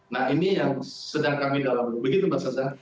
nah ini yang sedang kami dalam begitu pak